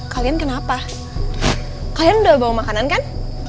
kalian kenapa kalian udah bawa makanan kan